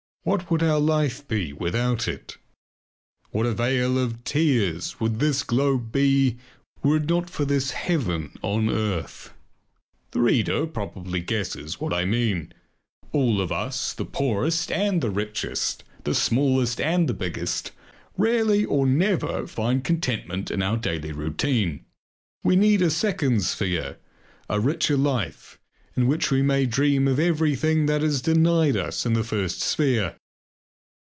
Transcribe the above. What would our life be without it? What a vale of tears would this globe be were it not for this heaven on earth! The reader probably guesses what I mean. All of us, the poorest and the richest, the smallest and biggest, rarely or never find contentment in our daily routine. We need a second sphere, a richer life, in which we may dream of everything that is denied us in the first sphere.